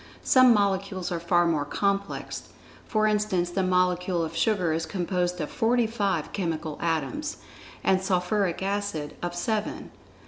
Some molecules are far more complex, for instance the molecule of sugar is composed of forty five chemical atoms, and sulphuric acid of seven.